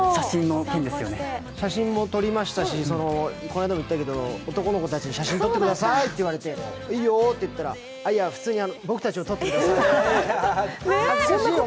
写真も撮りましたし、男の子たちに写真撮ってくださいと言われていいよって言ったら、普通に僕たちを撮ってくださいって。